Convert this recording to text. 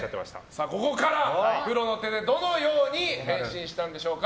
ここからプロの手でどのように変身したんでしょうか。